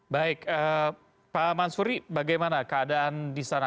baik pak mansuri bagaimana keadaan di sana